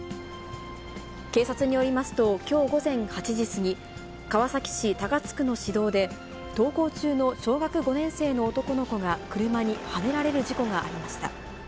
警察によりますと、きょう午前８時過ぎ、川崎市高津区の市道で、登校中の小学５年生の男の子が車にはねられる事故がありました。